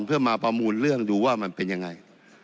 เพื่อมาประมูลเรื่องดูว่ามันเป็นยังไง